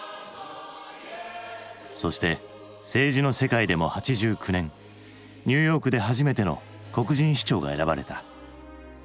そして政治の世界でも８９年ニューヨークで初めての黒人市長が選ばれた。